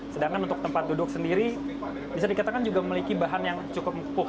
sedangkan untuk tempat duduk sendiri bisa dikatakan juga memiliki bahan yang cukup empuk